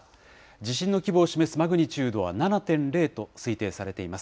地震の規模を示すマグニチュードは７．０と推定されています。